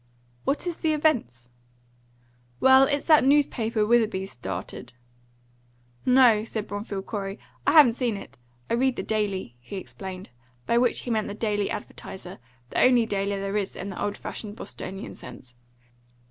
"What is the Events?" "Well, it's that new paper Witherby's started." "No," said Bromfield Corey, "I haven't seen it. I read The Daily," he explained; by which he meant The Daily Advertiser, the only daily there is in the old fashioned Bostonian sense.